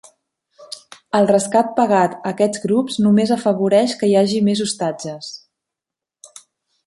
El rescat pagat a aquests grups només afavoreix que hi hagi més ostatges.